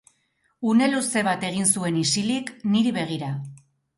Une luze bat egin zuen isilik niri begira.